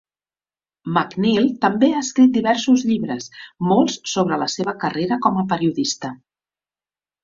MacNeil també ha escrit diversos llibres, molts sobre la seva carrera com a periodista.